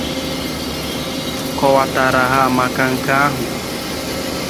kọwatara ha maka nke ahụ